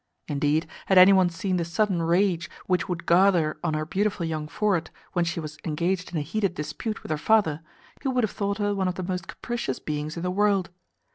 Indeed, had any one seen the sudden rage which would gather on her beautiful young forehead when she was engaged in a heated dispute with her father, he would have thought her one of the most capricious beings in the world.